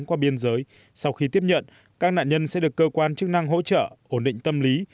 qua biên giới sau khi tiếp nhận các nạn nhân sẽ được cơ quan chức năng hỗ trợ ổn định tâm lý